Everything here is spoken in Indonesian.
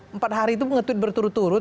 empat hari itu nge tweet berturut turut